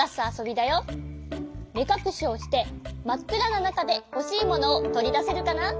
めかくしをしてまっくらななかでほしいものをとりだせるかな？